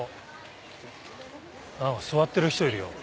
何か座ってる人いるよ。